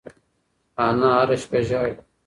انا هره شپه ژاړي.